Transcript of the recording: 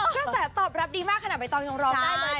ก็แสนตอบรับดีมากขนาดไปตอนยองรอบได้เลย